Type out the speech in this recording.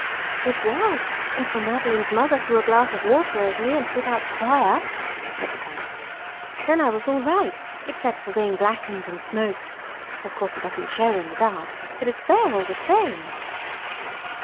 "It was, until Madeline's mother threw a glass of water over me and put out the fire," said the Cat. "Then I was all right, except for being blackened and smoked. Of course it doesn't show in the dark, but it's there all the same."